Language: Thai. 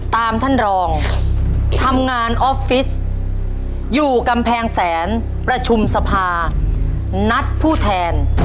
ท่านรองทำงานออฟฟิศอยู่กำแพงแสนประชุมสภานัดผู้แทน